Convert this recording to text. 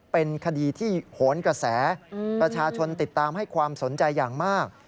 เป็นคดีที่โหนกระแสประชาชนติดตามให้ความสนใจอย่างมาก